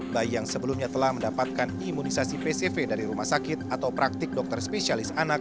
bayi yang sebelumnya telah mendapatkan imunisasi pcv dari rumah sakit atau praktik dokter spesial